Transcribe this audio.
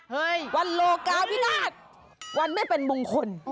เฮ้ยวันโลกาวน์พินาศวันไม่เป็นมงคล